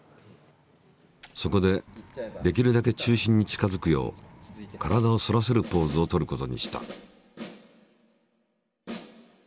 そこでできるだけ中心に近づくよう体を反らせるポーズをとることにした。